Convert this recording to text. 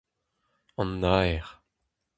An Naer.